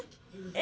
え！